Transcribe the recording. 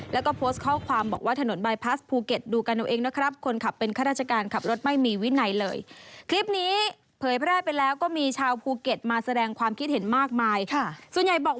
แล้วก็โพสต์ข้อความบอกว่าถนนบายพลาสภูเก็ตดูกันเอาเองนะครับ